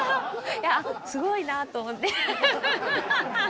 いや、すごいなーと思って。